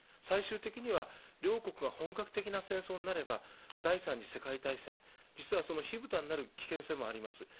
最終的には両国が本格的な戦争になれば第３次世界大戦、実はその火ぶたになる危険性もあります。